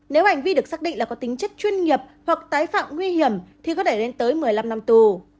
nếu hành vi được xác định là có tính chất chuyên nghiệp hoặc tái phạm nguy hiểm thì có thể lên tới một mươi năm năm tù